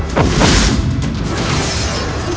aku pergi dulu ibu undah